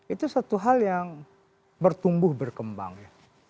itu satu hal yang bertumbuh berkembang ya